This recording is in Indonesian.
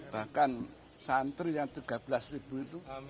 bahkan santri yang tiga belas ribu itu